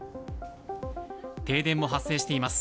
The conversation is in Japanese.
停電も発生しています。